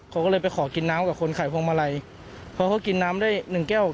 เขาก็เลยไปขอกินน้ำกับคนขายพวงมาลัยเพราะเขากินน้ำได้หนึ่งแก้ว